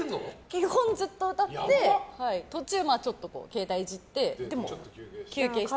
基本ずっと歌って、途中で携帯いじって、休憩して。